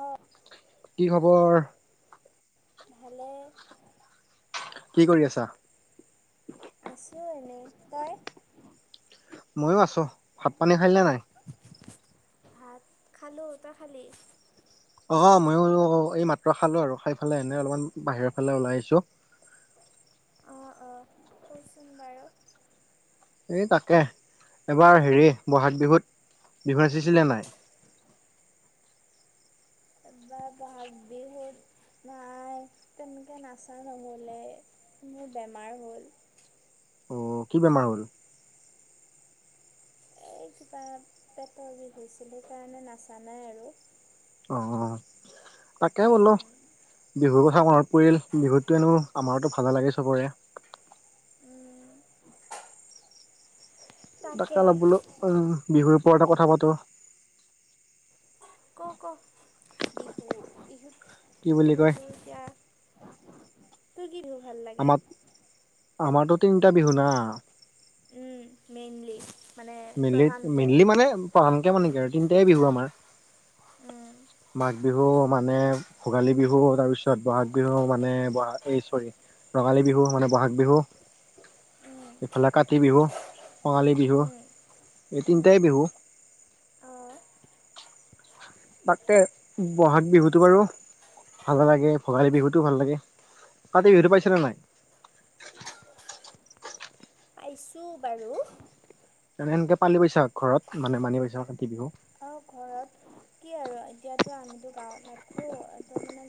অঁ কি খবৰ ভালে কি কৰি আছা আছো এনেই তই মইও আছো ভাত পানী খাই নে নাই ভাত খালো তয় খালি অ ময়ো এই মাত্ৰ খালো আৰু খাই ফালে এনে অলপমান বাহিৰৰ ফালে ওলাই আহিছো অহ অঁ ক'চোন বাৰু এই তাকে এবাৰ হেৰি বহাগ বিহুত বিহু নাচিছিল নে নাই এবাৰ বহাগ বিহুত নাই তেনেকে নাচা নহলে মোৰ বেমাৰ হ'ল অ কি বেমাৰ হ'ল এই কিবা পেটৰ বিষ হৈছিল সেইকাৰণে নাচা নাই আৰু অ তাকে ব'লো বিহুৰ [inaudible] [inaudible] কথা মনত পৰিল বিহুতটো এনো আমাৰতো ভালে লাগে চবৰে উম তাকে অলপ বোলো বিহুৰ ওপৰতে কথা পাতোঁ ক' ক' বিহু বিহু কি বুলি কয় বিহুটো এতিয়া। তোৰ কি বিহু ভাল লাগে। আমাৰ আমাৰতো তিনিটা বিহু না। উম মেইনলি। মানে মেইনলি, প্ৰধানকৈ মেইনলি মানে প্ৰধানকে মানে কি আৰু তিনটাই বিহু আমাৰ মাঘ বিহু মানে ভোগালী বিহু তাৰপিছত ব'হাগ বিহু মানে ব'হাগ এই চৈৰি ৰঙালী বিহু মানে ব'হাগ বিহু। ইফালে কাতি বিহু, কঙালী বিহু। উম, এই তিনিটাই বিহু। পাইছোঁ তাকে ব'হাগ বিহুতটো বাৰু। ভাল লাগে, ভোগালী বিহুতো ভাল লাগে, কাতি বিহুটো পাইছা নে নাই? [inaudible] পাইছোঁ বাৰু এনে সেনকে পালি পাইছা ঘৰত মানে মানি পাইছা কাতি বিহু। অহ' ঘৰত কি আৰু এতিয়াতো আমিতো গাওঁত নাথকো। এইটো মানে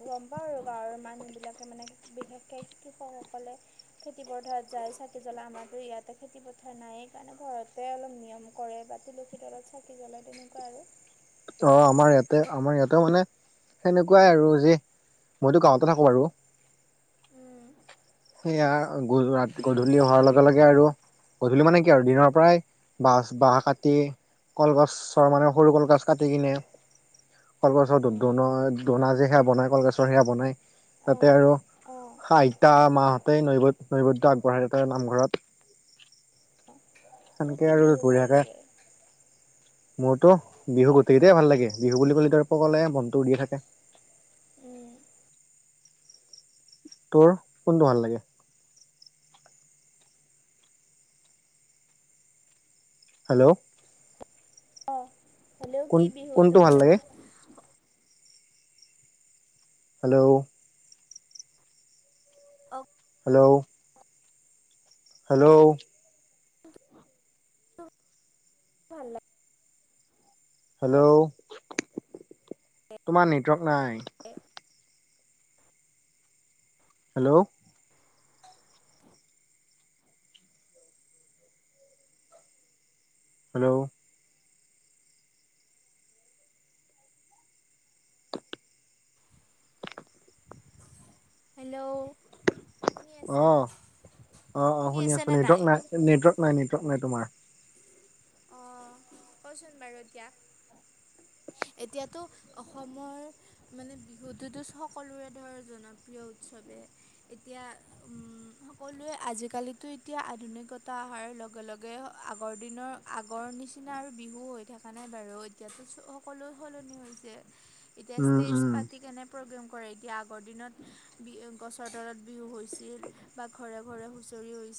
গ'ম পাওঁ আৰু গাওঁৰ মানুহ মানুহ বিলাকে মানে বিশেষকে কৃষক সকলে খেতি পথাৰত যায়, চাকি জ্বলা আমাৰটো ইয়াতে খেতি পথাৰ নাই কাৰণে ঘৰতে অলপ নিয়ম কৰে বা তুলসীৰ তলত চাকি চাকি জ্বলাই তেনেকুৱা আৰু অ' আমাৰ ইয়াতে, আমাৰ ইয়াতেও মানে সেনেকুৱাই আৰু যি মইতো গাওঁতে থাকোঁ বাৰু। সেইয়া গধূ ৰা গধূলি হোৱাৰ লগে লগে আৰু গধূলি মানে কি আৰু দিনৰ পৰাই বাঁহচ বাহঁ কাটি কলগছৰ মানে সৰু কলগছ কাটি কিনে কলগছৰ দো দোনত দোনা যে সেয়া বনায় কলগছৰ সেয়া বনায় তাতে অঁ আৰু অঁ আইতা মাহঁতেই নেবুদ নেবুদ আগবঢ়াই তাৰ নামঘৰত। তোৰ সেনকে কি আৰু বিহু ভাল বঢ়িয়াকে, লাগে মোৰতো বিহু গোটেইকেইটাই ভাল লাগে, বিহু বুলি কলেটো আৰু পগলাই মনটো উৰিয়ে থাকে। তোৰ, কোনটো ভাল লাগে? হেল্ল অহ, হেল্ল কোন কি বিহুটো কোনটো ভাল লাগে মানে হেল্ল [inaudible] হেল্ল হেল্ল [inaudible] হেল্ল, লাগে তোমাৰ নেটৱৰ্ক নাই হেল্ল হেল্ল হেল্ল শুনি আছা অহ, অহ অহ শুনি আছো নেটৱৰ্ক নাই, নেটৱৰ্ক নাই নেটৱৰ্ক নাই তোমাৰ অহ কচোন বাৰু এতিয়া [inaudible] এতিয়াতো অসমৰ মানে বিহুটোতো সকলোৰে ধৰ, জনপ্ৰিয় উৎসৱ। ভাৱে এতিয়া সকলোৱে আজিকালিটো এতিয়া আধুনিকতা অহাৰ লগত লগে লগে আগৰ দিনৰ আগৰ নিচিনা আৰু বিহু হৈ থকা নাই বাৰু এতিয়াতো চ সকলো সলনি হৈছে। এতিয়া উম, ষ্টেজ উম, পাতি কেনে প্ৰগ্ৰেম কৰে এতিয়া আগৰ দিনত বি গছৰ তলত বিহু হৈছিল বা ঘৰে ঘৰে হুঁচৰি হৈ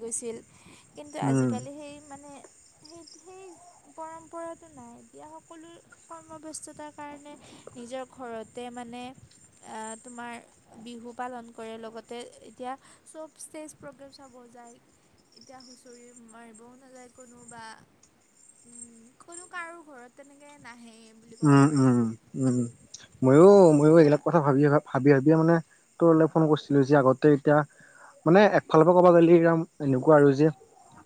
[unintelligible] গৈছিল কিন্তু উম, আজিকালি সেই মানে সেই সেই পৰম্পৰাতটো নাই এ দিয়া সকলো কৰ্মব্যস্ততাৰ কাৰণে নিজৰ ঘৰতে তুমিনে বিহু পালন কৰে লগতে এতিয়া পগ্ৰেম চাব কাৰণে এতিয়া হুঁচৰি মাৰ নাযায় কোনোব উম কোনো কাৰো ঘৰত তেনেকে নাহেই বুলি ক'ব উম পাৰি উম উম উম ময়ো ময়ো এতিয়া এইবিলাক কথা ভাবিয় ভ ভাবি ভাবিয়ে মানে তোৰলে ফোন কৰিছিলো যে আগতে এতিয়া মানে একফালৰ পৰা কবা গ'লি একদম এনেকুৱা আৰু যে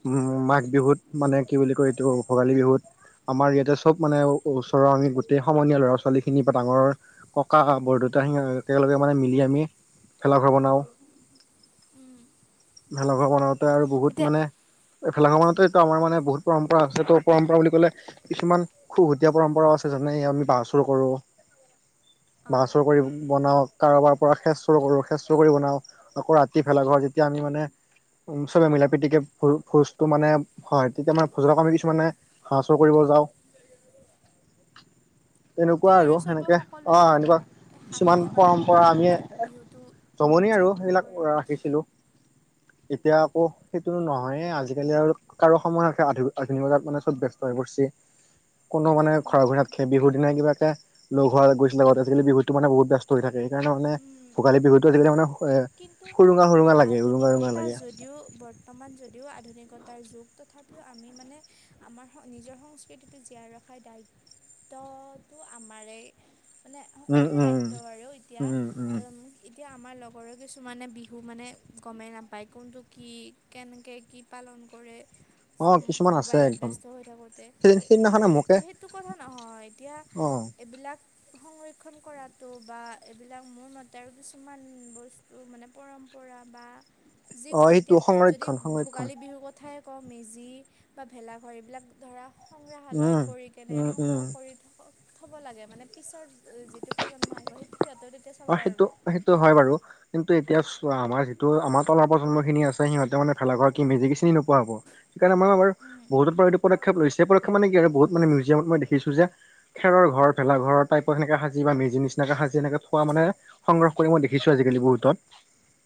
উম মাঘ বিহুত মানে কি বুলি কয় এইটো ভোগালী বিহুত আমাৰ ইয়াতে চব মানে ওচৰৰ আমি গোটেই সমনীয়া ল'ৰা ছোৱালীখিনি বা ডাঙৰ ককা বৰদউতা সি একেলগে মানে মিলি আমি ভেলাঘৰ বনাওঁ ভেলাঘৰ বনাওঁতে আৰু বহুত এতিয়া মানে এফেলাঙৰ মানতেতটো আমাৰ মানে বহুত পৰম্পৰা আছে ত পৰম্পৰা বুলি ক'লে কিছুমান খুহটীয়া পৰম্পৰাও আছে যেনে আমি বাঁহ চুৰ কৰোঁ বাঁহ অঁ চুৰ কৰি বনাওক কাৰোবাৰ পৰা সেচ চুৰ কৰো সেচ চ কৰি বনাও আকৌ ৰাতি ভেলা ঘৰ যেতিয়া আমি মানে উম চবে মিলা প্ৰীতিকে ভোজটো মানে হয় হয় তেতিয়া মানে ভোজক আমি কিছুমানে হাঁ চুৰ কৰিব বজাও সটোৱে আৰু চব সেনেকে অ সকলোৱে এনেকুৱা কিছুমান হাঁহিৰে বালিৰে পৰম্পৰা আমি এইবিলাক বিহুতটো জমনি আৰু সেইবিলাক ৰাখিছিলো এতিয়া আকৌ নহয় আজিকালি আৰু কাৰো সময় আধুন বজাত মানে চব ব্যস্ত হৈ পৰিছে কোনো মানে খৰাঘৰি য়াত খ বিহুৰ দিনা কিবাকে লগ হোৱা গৈছিলে আগ আজিকি বিহুতো মানে বহুত ব্যস্ত হৈ থাকে সকাৰণে মানে ভোগালী বিহুতটো আছিলে মানে কিন্তু সুৰুঙা সুৰুঙা লাগে উৰুঙা উৰুঙা আধুনিকতা লাগে যদিও বৰ্তমান যদিও আধুনিকতা তাৰ যুগ তথাপিও আমি মানে আমাৰ নিজৰ সংস্কৃতিটো জীয়াই ৰখাৰ দায়িত্ব দায়িত্ব আমাৰে মানে উম সকলোৰে উম দায়িত্ব আৰু এতিয়া উম উম এতিয়া আমাৰ লগৰে কি ত মানে বিহু মানে গমেই নাপায় কোনটো কি কেনেকৈ কি পালন কৰে হয় চব মোবাইলত ব্যস্ত হৈ থাকোঁতে সেই কিন্তু সেইদিনাখনে মোকে সেইটো কথা নহয় এতিয়া অ এইবিলাক সংৰক্ষণ কৰাতটো বা এইবিলাক মোৰ মতে আৰু কিছুমান বস্তু মানে পৰম্পৰা বা অ যিকোনো এইটো এতিয়া যদি সংৰক্ষণ সংৰক্ষণ ভোগালী বিহুৰ কথাই আ ক মেজি বা ভেলাঘৰ এইবিলাক ধৰা সংগ্ৰহালয় উম কৰি কেনে উম সংগ্ৰহ উম কৰি থক থ'ব লাগে মানে পিছৰ যিটো প্ৰজন্ম আহিব সেই সিহঁতেও তেতিয়া চাব অ পাৰিব সেইটো সেইটো হয় বাৰু কি ত এতিয়া আমাৰ যিটো আমাৰ তলৰ প্ৰজন্মখিনি আছে সিহঁতে মানে ভেলাৰ কি মেজি কি চিনি নোপোৱা হ'ব আাৰাৰ উম বহুত পদক্ষপ লৈছে পদক্ষে মানে কি আৰু বহুত মানে মিউজিয়ামত মই দেখছো যে খেৰৰ ঘৰ ভেলা ঘৰ টাইত সেনেে সাজি বা মেজি নিচিনাকে সাজিছে কোৱা মানে সংগ্ৰহ কৰি মই দেখিছো আজিকালি বহুত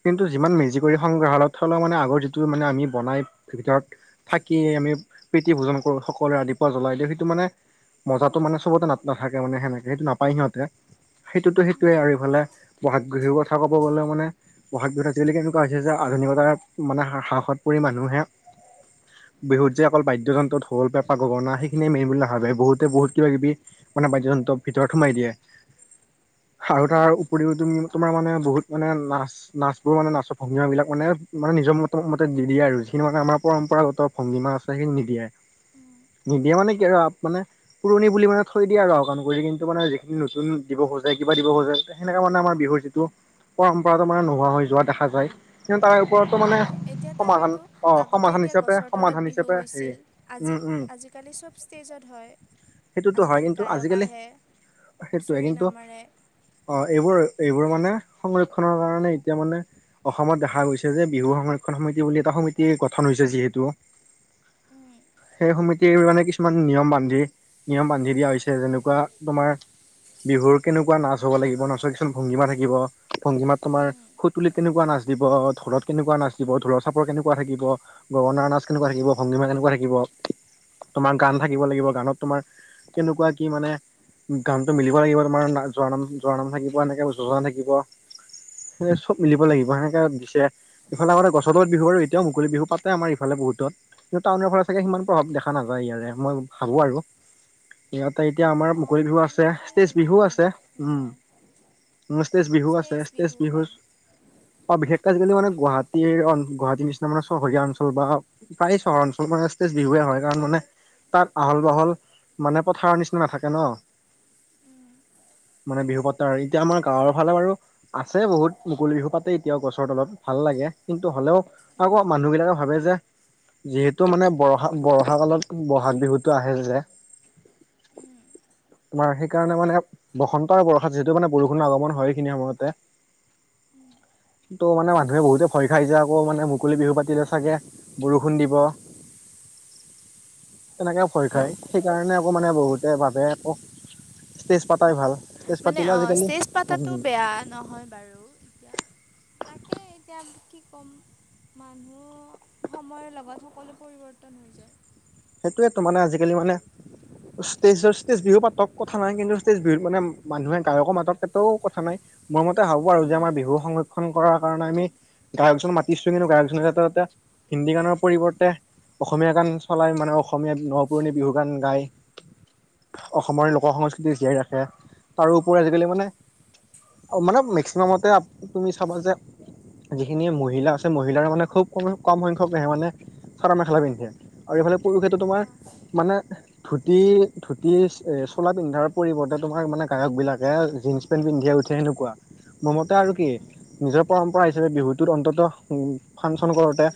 কিন্তু অঁ যিমান মেজি কৰি সংগ্ৰহালয়ত থ লওক মানে আগৰ যিটো মানে আমি বনাই ভিতৰত থাকিয় আমি প্ৰীতি ভোজন কৰো সকলোৰে আদি ৰাপুৱা জ্বলাই দিওঁ সেইটো মানে মজাতটো মানে চবতে নাট নাথাকে মানে সেনেকে সেইটো নাপায় সিহঁতে সেইটোতো সোৱে উম আৰু এইফালে বহাগ বিহুৰ কথা ক'ব গলে মানে বহাগ বিহুত আ বুলি কেনেকুৱা হৈছে যে আধুনিকতাৰ মানে সাহসত পৰি মানুহে বিহুত যে অকল বাদ্যযন্ত্ৰত হ'ল পেপা গগণা সেইখিনিয়ে মেন বুলি ভাবে বহুতে বহুত কিবা কিবি মানে বাদ্যয়যন্ত্ৰৰ ভিতৰত সোমাই দিয়ে আৰু উম তাৰ উপৰিও তুমি তোমাৰ মানে বহুত মানে নাচ নাচ বোৰ মানে নাচৰ ভঙ্গীমা বিলাক মানে মানে নিজৰ মত মতে দি দিয়ে আৰু সি মানে আমাৰ পৰম্পৰাগত ভংগীমাত আছে সেইখিনি নিদিয়ে নিদিয়ে মানে কি আৰু মানে পুৰণি বুলি মানে থৈ দিয়ে আৰু অকাণ কৰি কিন্তু মানে যিখিনি নতুন দিব খোজে কিবা দিব খোজে সেনেকা মানে আমাৰ বিহুৰ যিটো পৰম্পৰাত মানে নোহোৱা হৈ যোৱা দেখা যায়। কি তাৰ ওপৰতো উম মানে এতিয়া সমাধান তাকেতো অ আগতে সমাধান এতিয়া হিচাপে গছৰ তলত সমাধান বিহু হিচাপে হেৰি হৈছিল আজি উম। উম আজিকালি চব ষ্টেজত হয়। সেইটোতো হয় আজিকালি কিন্তু গায়ক আজিকালি আহে সেইটোৱে হুঁচৰি কিন্তু নামাৰে। অ এইবোৰ এইবোৰ মানে সংৰক্ষনৰ কাৰণে এতিয়া মানে অসমত দেখা গৈছে যে বিহু সংৰক্ষণ সমিতি বুলি এটা সমিতি গঠন হৈছে যিহেতু। হয়। সেই সমিতিযৰ মানে কিছুমান নিয়ম বান্ধি নিয়ম বান্ধি দিয়া হৈছে যেনেকুৱা তোমাৰ বিহুৰ কেনেকুৱা নাচ হ'ব লাগিব নাচৰ কিছুমান ভংগীমা থাকিব ভংগীমাত তোমাৰ সুতুলি কেনেকুৱা নাচ দিব। লত কেনেকুৱা নাছিব ঢোলৰ চাপৰ কেনেকুৱা থাকিব গগনাৰ নাচ কেনেকুৱা থাকিব সংগীমা কেনেকুৱা থাকিব। তোমাৰ গান থাকিব লাগিব, গানত তোমাৰ কেনেকুৱা কি মানে গানটো মিলিব লাগিব তোমাৰ জোৱা নাম জৰা নাম থাকিব এনেকে যজ থাকিব। স চব মিলিব লাগিব সেনেকে দিছে ইফালে আগতে গছ তত বিহু ব আৰু এতিয়াও মুকলি বিহু পাতে আমাৰ ইফালে বহুতত, কিন্তু টাউনৰ পৰা চাগে সিমান প্ৰভাৱ দেখা নাযায় ইয়াৰে মই ভাবোঁ আৰু ই ত এতিয়া আমাৰ অঁ মুকলি বিহু আছে টাউনৰ ফালে ষ্টেজ বিহু ইমানো আছে,, এইবিলাক উম নহয় ম তেজ বিহু আছে ষ্টেজ তেজ বিহু হয়। [unintelligible] বিশেষকে আজিকালি মানে গুৱাহাটীৰ গুৱাহাটীৰ নিচিনা মানে চহৰীয়া অঞ্চল বা প্ৰায় চহৰ অঞ্চল মানে বিহুৱে হয় কাৰণ মানে তাত আহল বাহল মানে পথাৰৰ নিচিনা নাথাকে ন? উম [unintelligible] মানে বিহু পাতো আৰু এতিয়া আমাৰ গাঁৱৰ ফালে বাৰু আছে বহুত মুকলি বিহু পাতে এতিয়াও গছৰ তলত ভাল লাগে কিন্তু হ'লেও উম আকৌ মানুহ বিলাকে ভাবে যে যিহেতু মানে বৰষা বৰষা কালত ব'হাগ বিহুটো আহে যে, তোমাৰ সেইকাৰণে মানে বসন্ত আৰু বৰষাত যিহেতু মানে বৰষুণৰ আগমন হয়। সেইখিনি সময়তে তোৰ মানে মানুহে বহুতে ভয় খাই যায়। আকৌ মানে মুকলি বিহু পাতিলে চাগে বৰষুণ দিব। তেনেকে ভয় খায়। সেইকাৰণে আকৌ মানে বহুতে ভাবে আকৌ ষ্টেজ পাতাই ভাল। ষ্টেজ মানে পাতিলেও অ' আজিকালি ষ্টেজ পাতাটো উম বেয়া নহয় বাৰু এতিয়া। তাকেই এতিয়া কি ক'ম মানুহ সময়ৰ লগত সকলো পৰিৱৰ্তন হৈ যায়। সেইটোয়ে তোৰ মানে আজিকালি মানে ষ্টেজৰ ষ্টেজ বিহু পাতক কথা নাই। কিন্তু ষ্টেজ বিহুত মানে মানুহে গায়কো মাতক সেইটোও কথা নাই। মই মতে ভাবোঁ আৰু যে আমাৰ বিহু সংৰক্ষণ কৰাৰ কাৰণে আমি গায়কজন মাতিছোঁ। কিন্তু গায়কজনে তাতে হিন্দী গানৰ পৰিৱৰ্তে, অসমীয়া গান চলাই মান আমাৰ অসমীয়াত ন পুৰণি বিহু গান গাই। অসমৰ লোকৰ সংস্কৃতি জীয়াই ৰাখে। তাৰোউপৰি আজিকালি মানে মানে মেক্সিমামতে তুমি চাবা যে যিখিনি মহিলা আছে, মহিলাৰ মানে খুব কম কম সংখ্যকেহে মানে চাদৰ মেখেলা পিন্ধে আৰু এইফালে পুৰুষেটো তোমাৰ মানে ধূতি ধূতি এ চোলা পিন্ধাৰ পৰিবৰ্তে তোমাৰ মানে গায়ক বিলাকে জিনচ্ পেণ্ট পিন্ধিয়েই উঠে সেনেকুৱা। মোৰমতে আৰু কি নিজৰ পৰম্পৰা হিচাপে বিহুটোত অন্তত উম, ফাংচন কৰোঁতে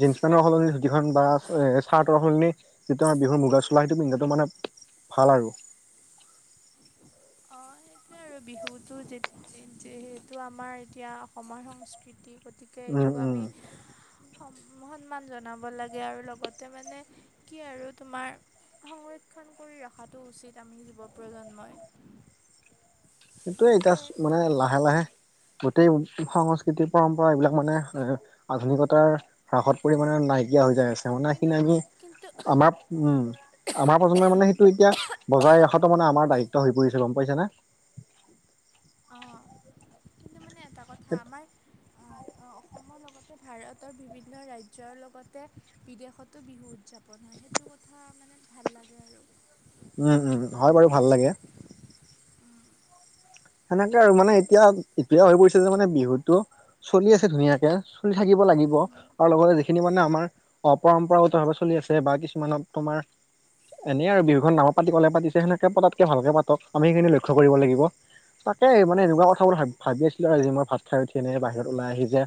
জিন্স পেন্ট সলনি ধূতিখন বা ৰেষ্ট চাটৰ সলনি যিটো আমাৰ বিহুৰ মুগা চোলা, সেইটো পিন্ধাটো মানে ভাল আৰু [inaudible] সেই আৰু বিহুটো যিহেতু আমাৰ এতিয়া অসমৰ সংস্কৃতি। গতিকে উম এইটোক উম আমি অঁ, সন্মান জনাব লাগে আৰু লগতে মানে কি আৰু তোমাৰ সংৰক্ষণ কৰি ৰখাটো উচিত আমি যুৱ প্ৰজন্মই। [inaudible] সেইটোয়ে ইয়া সেইটোৱে মানে লাহে লাহে গোটেই ও সংস্কৃতি পৰম্পৰা এইবিলাক মানে, এ আধুনিকতাৰ হ্ৰাসত পৰি মানে নাইকিয়া হৈ যায় আছে মানে কিন্তু সিখিনি আমি কিন্তু আমাৰ উম আমাৰ প্ৰজন্মৰ মানে সেইটো এতিয়া বজাই ৰখাটো মানে আমাৰ দায়িত্ব হৈ পৰিছে। গ'ম পাইছে নে? অঁ কিন্তু মানে এটা কথা আমাৰ আ অসমৰ লগতে ভাৰতৰ বিভিন্ন ৰাজ্যৰ লগতে বিদেশতো বিহু উদযাপন হয়। সেইটো কথা মানে ভাল লাগে আৰু, উম উম। হয় বাৰু ভাল লাগে সেনেকে আৰু মানে এতিয়া ইটোয়ে হৈ পৰিছে যে মানে বিহুতটো চলি আছে ধুনীয়াকে, চলি থাকিব লাগিব আৰু লগতে যিখিনি মানে আমাৰ অ' পৰম্পৰাগত ভাৱে চলি আছে বা কিছুমানত তোমাৰ এনেই আৰু বিহুখন নামৰ পাতিব লাগে পাতিছে সেনেকে পতাতকে ভালকে পাতক, আমি সেইখিনি লক্ষ্য কৰিব লাগিব। তাকে এই মানে এনেকুৱা কথাবোৰ ভা ভাবি আছিলো আজি মই ভাত খাই উঠি, এনে বাহিৰত ওলাই আহি যে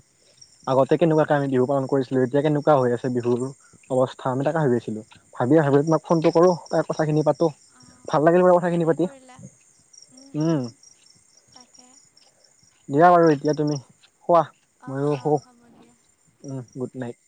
আগতে কেনেকুৱাকে আমি বিহু পালন কৰিছিলো এতিয়া কেনেকুৱা হৈ আছে বিহুৰ অৱস্থা আমি তাকে ভাবি আছিলো। আজিয়ে ভাবিলো তোমাক ফোনটো কৰো। তাই কথাখিনি পাত তো ভাল অঁ, লাগিল মানে কথাখিনি ভালে পাতি, কৰিলা উম, ওম উম, তাকে দিয়া বাৰু এতিয়া তুমি শুৱা অঁ ময়ো অঁ শুওঁ হ'ব দিয়া উম গুড নাইট।